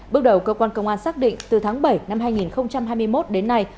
bước đầu cơ quan công an xác định từ tháng bảy năm hai nghìn hai mươi một đến nay